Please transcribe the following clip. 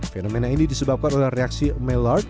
fenomena ini disebabkan oleh reaksi maillard